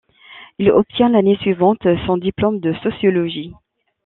Il obtient l'année suivante son diplôme de sociologie.